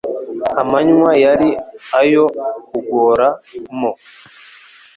Amanywa yari ayo kugora mo